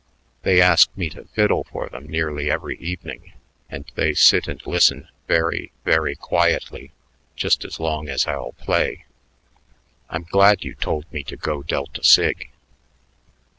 They ask me to fiddle for them nearly every evening, and they sit and listen very, very quietly just as long as I'll play. I'm glad you told me to go Delta Sig."